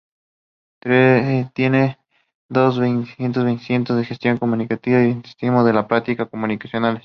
Tiene dos viceministerio: Viceministro de Gestión Comunicacional y Viceministro de Políticas comunicacionales.